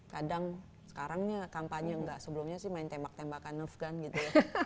kadang sekarangnya kampanye enggak sebelumnya sih main tembak tembakan nerf gun gitu ya